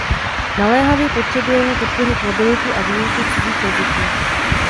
Naléhavě potřebujeme podpořit mobilitu a výuku cizích jazyků.